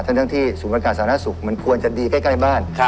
ทั้งที่ศูนย์บริการสาธารณสุขมันควรจะดีใกล้บ้าน